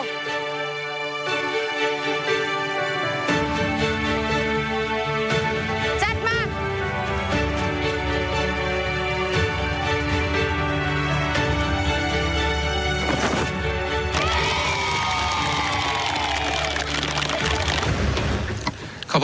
แซ่ดมาก